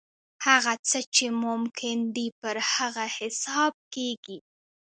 هغه څه چې ممکن دي پر هغه حساب کېږي.